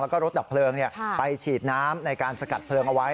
แล้วก็รถดับเพลิงไปฉีดน้ำในการสกัดเพลิงเอาไว้